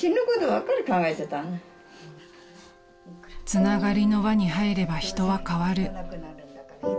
［つながりの輪に入れば人は変わる］